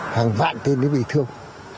hàng vạn thêm đã bị thương